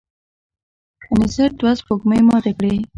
انیسټ دوه سپوږمۍ ماتې کړې.